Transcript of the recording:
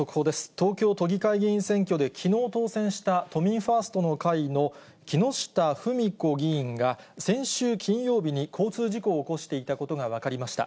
東京都議会議員選挙できのう、当選した都民ファーストの会の木下富美子議員が、先週金曜日に交通事故を起こしていたことが分かりました。